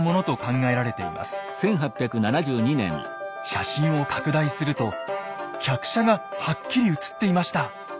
写真を拡大すると客車がはっきり写っていました！